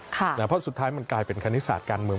เพราะสุดท้ายมันกลายเป็นคณิตศาสตร์การเมือง